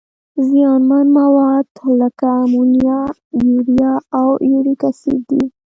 زیانمن مواد لکه امونیا، یوریا او یوریک اسید دي.